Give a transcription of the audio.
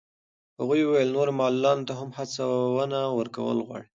هغه وویل نورو معلولانو ته هم هڅونه ورکول غواړي.